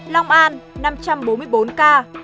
long an năm trăm bốn mươi bốn ca